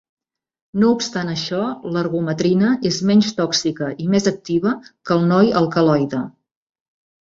No obstant això, l'ergometrina és menys tòxica i més activa que el noi alcaloide.